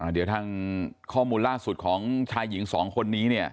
เดี๋ยวทางข้อมูลล่าสุดของชายหญิงสองคนนี้